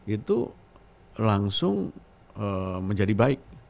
itu langsung menjadi baik